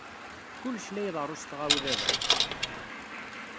Kullec la iḍerru s tɣawla, da.